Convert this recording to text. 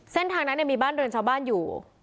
เส้นทางนั้นมีบ้านเรือนชาวบ้านอยู่